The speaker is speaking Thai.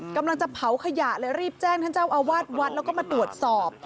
กำลังจะเผาขยะเลยรีบแจ้งท่านเจ้าอาวาสวัดแล้วก็มาตรวจสอบ